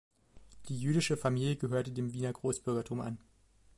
Die jüdische Familie gehörte dem Wiener Großbürgertum an.